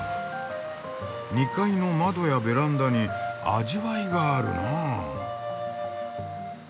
２階の窓やベランダに味わいがあるなあ。